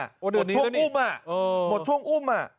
หมดช่วงอุ้มหมดช่วงอุ้ม